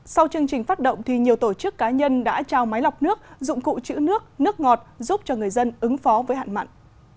sau chương trình phát động nhiều tổ chức cá nhân đã trao máy lọc nước dụng cụ chữ nước nước ngọt giúp cho người dân ứng phó với hạn mặn